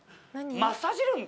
マッサージルーム？